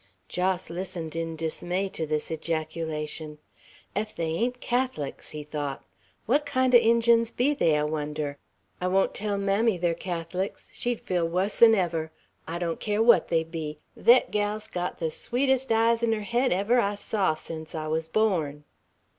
Jos listened in dismay to this ejaculation. "Ef they ain't Catholics!" he thought. "What kind o' Injuns be they I wonder. I won't tell mammy they're Catholics; she'd feel wuss'n ever. I don't care what they be. Thet gal's got the sweetest eyes'n her head ever I saw sence I wuz born."